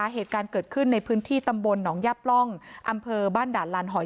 เหตุการณ์เกิดขึ้นในพื้นที่ตำบลหนองย่าปล่องอำเภอบ้านด่านลานหอย